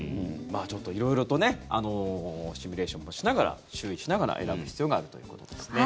色々とシミュレーションをしながら注意しながら選ぶ必要があるということですね。